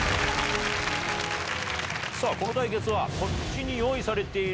この対決はこっちに用意されている。